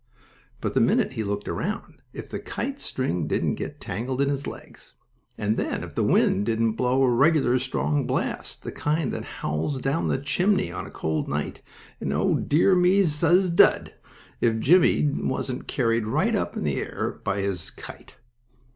But the minute he looked around, if the kite string didn't get tangled in his legs, and then if the wind didn't blow a regular strong blast, the kind that howls down the chimney on a cold night; and oh, dear me, suz dud! if Jimmie wasn't carried right up in the air by his kite!